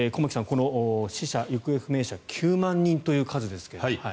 この死者・行方不明者９万人という数ですが。